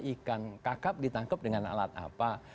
ikan kakap ditangkap dengan alat apa